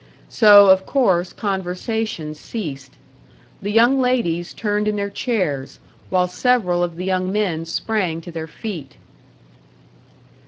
So, of course, conversation ceased. The young ladies turned in their chairs, while several of the young men sprang to their feet.